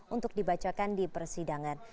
untuk dibacakan di persidangan